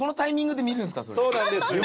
そうなんです。